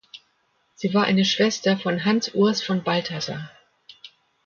Sie war eine Schwester von Hans Urs von Balthasar.